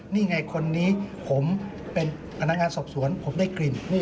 นี่ไงคนนี้ผมเป็นพนักงานสอบสวนผมได้กลิ่น